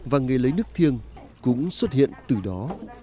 và nghề lấy nước thiêng cũng xuất hiện từ đó